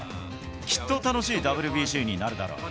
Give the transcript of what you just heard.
きっと楽しいＷＢＣになるだろう。